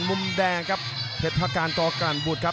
มุมแดงครับเพชรภการกรรณบุธครับ